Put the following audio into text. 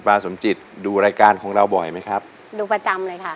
สมจิตดูรายการของเราบ่อยไหมครับดูประจำเลยค่ะ